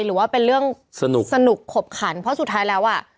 หรือว่าเป็นเรื่องสนุกขบขันเพราะสุดท้ายแล้วอ่ะ